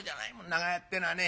長屋ってのはね。